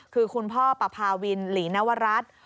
คือคุณพ่อปภาวินหลีนวรัฐ